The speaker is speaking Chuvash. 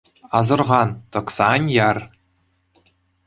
Асӑрхан, тӑкса ан яр.